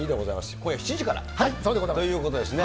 今夜７時から、ということですね。